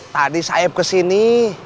tadi saep kesini